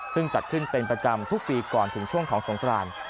ซึ่งจัดขึ้นเป็นประจำทุกปีก่อนถึงช่วงของสงคราน